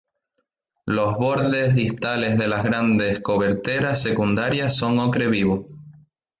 Los bordes distales de las grandes coberteras secundarias son ocre vivo.